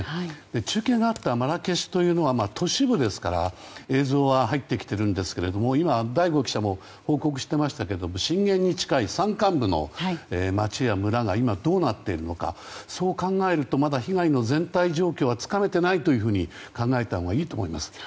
中継があったマラケシュというのは都市部ですから映像は入ってきてるんですけども今、醍醐記者も報告していましたが震源に近い山間部の町や村が今、どうなっているのかそう考えるとまだ被害の全体状況はつかめていないと考えたほうがいいと思います。